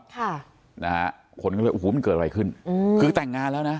คนคนก็เลยว่ามันเกิดอะไรขึ้นคือแต่งงานแล้วนะ